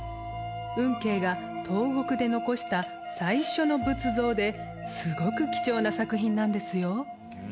運慶が東国で残した最初の仏像ですごく貴重な作品なんですよ。